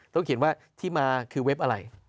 เขียนว่าที่มาคือเว็บอะไร